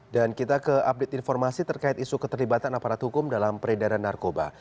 dan kita ke update informasi terkait isu keterlibatan aparat hukum dalam peredaran narkoba